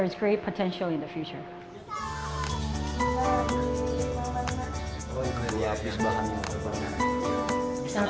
jadi saya pikir ada potensi yang bagus di masa depan